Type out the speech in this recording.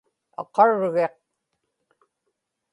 aqargiq